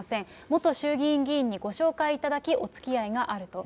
元衆議院議員にご紹介いただき、おつきあいがあると。